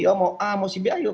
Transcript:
oh mau a mau c b a yuk